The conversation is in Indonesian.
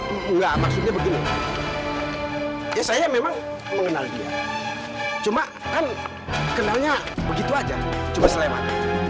enggak maksudnya begini ya saya memang mengenal dia cuma kan kenalnya begitu aja cuma sleman